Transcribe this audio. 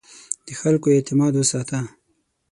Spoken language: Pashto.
د خلکو اعتماد وساته.